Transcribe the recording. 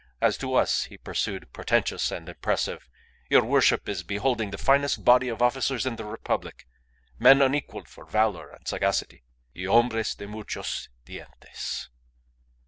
As to us," he pursued, portentous and impressive, "your worship is beholding the finest body of officers in the Republic, men unequalled for valour and sagacity, 'y hombres de muchos dientes.